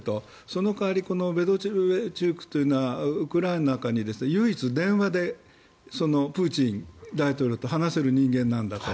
その代わりメドベチュクというのはウクライナの中で唯一、電話でプーチン大統領と話せる人間なんだと。